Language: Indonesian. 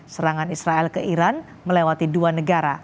serangan israel ke iran melewati dua negara